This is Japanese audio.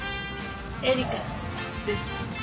エリカです。